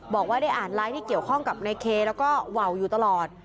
บอกว่าได้อ่านไลน์ที่เกี่ยวข้องกับในเคแล้วก็ว่าวอยู่ตลอด